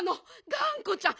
がんこちゃん。